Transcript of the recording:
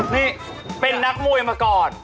นี่เป็นนักมวยมาก่อน